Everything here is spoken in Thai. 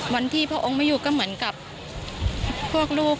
พระองค์ไม่อยู่ก็เหมือนกับพวกลูก